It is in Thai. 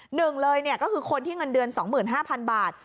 หนึ่งเลยก็คือคนที่เงินเดือน๒๕๐๐๐บาท